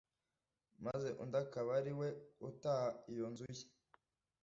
maze undi akaba ari we utaha iyo nzu ye.